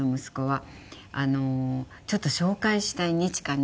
「ちょっと紹介したい二千翔に」。